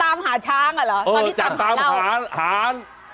ตามหาช้างอ่ะเหรอตอนนี้ตามหาหา